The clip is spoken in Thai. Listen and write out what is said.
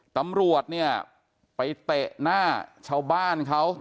ตำรวจเนี่ยไปเตะหน้าชาวบ้านเขา